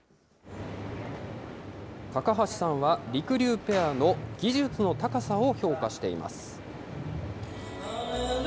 高橋さんは、りくりゅうペアの技術の高さを評価しています。